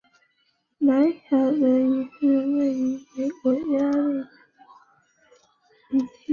兰乔德索尔是位于美国加利福尼亚州埃尔多拉多县的一个非建制地区。